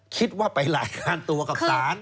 คิดว่าไปรายงานตัวกับศาล